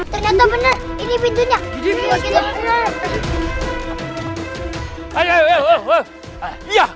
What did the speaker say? ternyata benar ini pintunya